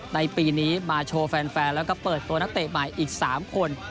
ในปีนี้มาโชว์แฟนแล้วก็เปิดตัวนักเตะใหม่อีก๓คน